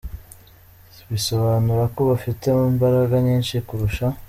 Bisobanura ko bafite imbaraga nyinshi kurusha.